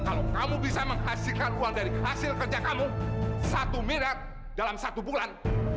kalau kamu bisa menghasilkan uang dari hasil kerja kamu satu miliar dalam satu bulan